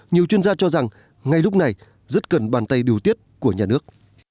nhiều chuyên gia cho rằng ngay lúc này rất cần bàn tay điều tiết của nhà nước